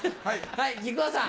はい木久扇さん。